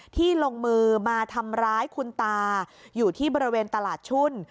ลงมือมาทำร้ายคุณตาอยู่ที่บริเวณตลาดชุ่น